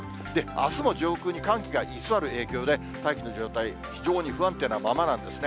あすも上空に寒気が居座る影響で、大気の状態、非常に不安定なままなんですね。